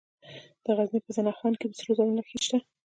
د غزني په زنه خان کې د سرو زرو نښې شته.